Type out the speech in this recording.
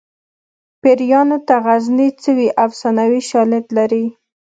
پیریانو ته غزني څه وي افسانوي شالید لري